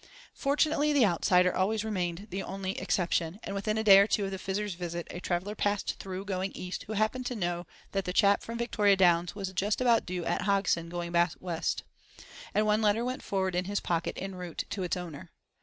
Fortunately, the Outsider always remained the only exception, and within a day or two of the Fizzer's visit a traveller passed through going east who happened to know that the "chap from Victoria Downs was just about due at Hodgson going back west," and one letter went forward in his pocket en route to its owner.